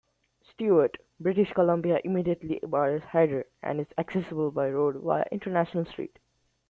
Stewart, British Columbia immediately borders Hyder and is accessible by road via International Street.